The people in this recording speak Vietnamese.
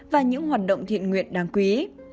và những hoạt động thiện nguyện đáng quý